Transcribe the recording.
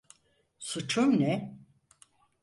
Suçum ne?